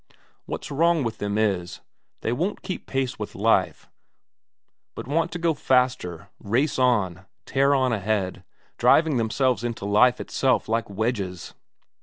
What's wrong with them is, they won't keep pace with life, but want to go faster race on, tear on ahead, driving themselves into life itself like wedges.